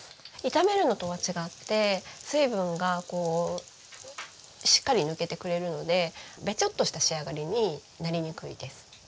炒めるのとは違って水分がこうしっかり抜けてくれるのでベチョッとした仕上がりになりにくいです。